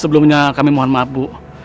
sebelumnya kami mohon maaf bu